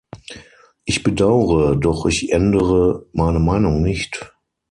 Ich bedauere, doch ich ändere meine Meinung nicht.